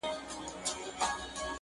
د کندهار، هلمند او زابل جلا دي